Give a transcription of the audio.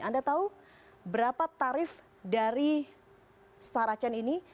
anda tahu berapa tarif dari sarah chen ini